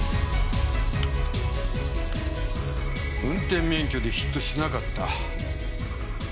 運転免許でヒットしなかった。